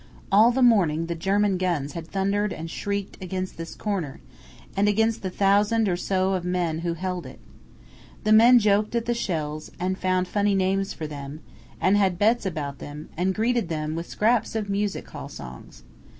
All the morning the German guns had thundered and shrieked against this corner, and against the thousand or so of men who held it. The men joked at the shells, and found funny names for them, and had bets about them, and greeted them with scraps of music hall songs.